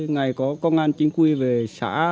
ngày có công an chính quy về xã